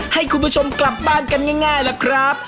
ให้คุณผู้ชมกลับบ้านกันง่ายล่ะครับ